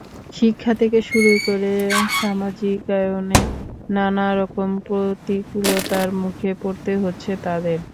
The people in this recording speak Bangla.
শিক্ষা থেকে শুরু করে সামাজিকায়নে নানা রকম প্রতিকূলতার মুখে পড়তে হচ্ছে তাদের।